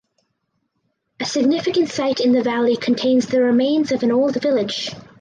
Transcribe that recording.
A significant site in the valley contains the remains of an old village.